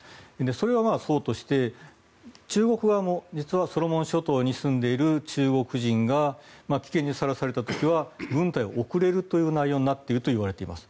それはそうとして中国側も実はソロモン諸島に住んでいる、中国人が危険にさらされた時は軍隊を送れるという内容になっているといわれます。